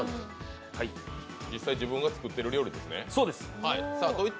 実際、自分が作っている料理ですね。